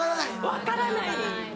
分からない。